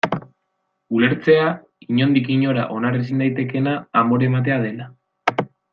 Ulertzea inondik inora onar ezin daitekeena amore ematea dela.